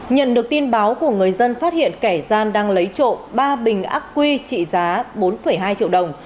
nhận được tin báo của người dân phát hiện kẻ gian đang lấy trộm ba bình ác quy trị giá bốn hai triệu đồng